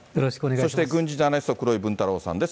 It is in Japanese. そして軍事ジャーナリスト、黒井文太郎さんです。